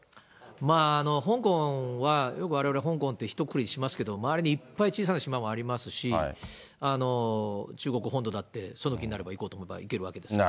まあ、香港は、よくわれわれは香港ってひとくくりにしますけど、周りにいっぱい、小さな島もありますし、中国本土だってその気になれば、行こうと思えば行けるわけですからね。